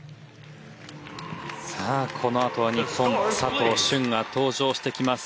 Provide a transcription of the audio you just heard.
さあこのあとは日本佐藤駿が登場してきます。